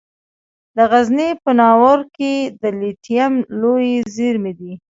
د غزني په ناوور کې د لیتیم لویې زیرمې دي.